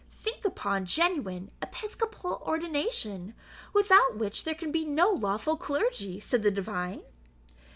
"Think upon genuine episcopal ordination, without which there can be no lawful clergy," said the divine.